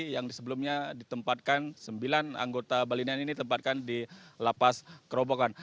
yang sebelumnya ditempatkan sembilan anggota balina ini ditempatkan di lapas kerobokan